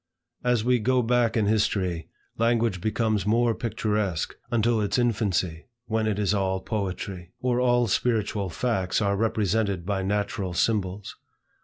As we go back in history, language becomes more picturesque, until its infancy, when it is all poetry; or all spiritual facts are represented by natural symbols.